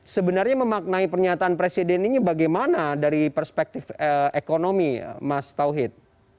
sebenarnya memaknai pernyataan presiden ini bagaimana dari perspektif ekonomi mas tauhid